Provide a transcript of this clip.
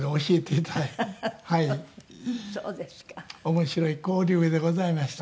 面白い交流でございました。